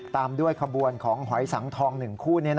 ตามด้วยขบวนของหอยสังทอง๑คู่